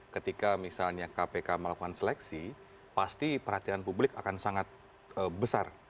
ketika misalnya kpk melakukan seleksi pasti perhatian publik akan sangat besar